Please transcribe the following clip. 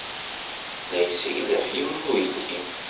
La yesseglaf yiwen n uydi.